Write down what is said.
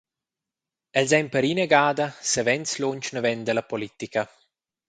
Els ein perinagada savens lunsch naven dalla politica.